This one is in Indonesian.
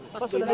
pak sudah nampak